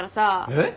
えっ？